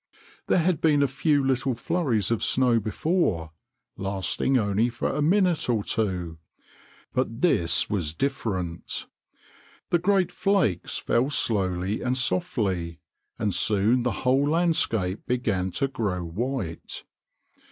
There had been a few little flurries of snow before, lasting only for a minute or two; but this was different. The great flakes fell slowly and softly, and soon the whole landscape began to grow white.